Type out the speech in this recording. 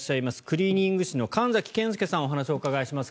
クリーニング師の神崎健輔さんにお話をお伺いします。